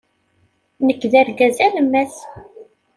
Nekk d argaz alemmas.